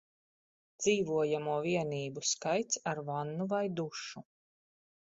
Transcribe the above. Dzīvojamo vienību skaits ar vannu vai dušu